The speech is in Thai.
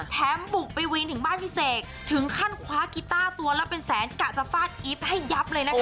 บุกไปวินถึงบ้านพี่เสกถึงขั้นคว้ากีต้าตัวละเป็นแสนกะจะฟาดอีฟให้ยับเลยนะคะ